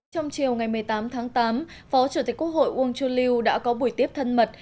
trong chiều ngày một mươi tám tháng tám phó chủ tịch quốc hội uông chu lưu đã có buổi tiếp thân mật